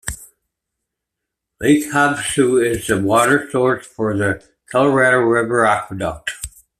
Lake Havasu is the water source for the Colorado River Aqueduct.